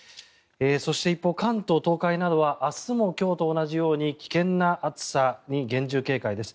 そして一方、関東、東海などは明日も今日と同じように危険な暑さに厳重警戒です。